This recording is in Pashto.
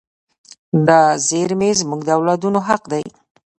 دا زیرمې زموږ د اولادونو حق دی.